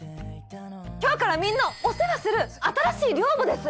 今日からみんなをお世話する新しい寮母です